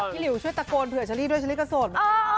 พี่หลิวช่วยตะโกนเพื่อเชอรี่ด้วยเชอรี่ก็โสด